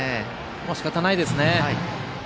しかたないですね。